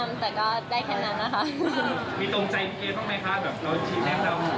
มีตรงใจพี่เกธล่ะอย่างแบบเราจะอย่าแม่งตาม